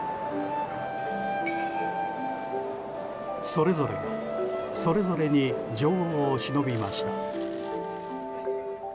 それぞれが、それぞれに女王をしのびました。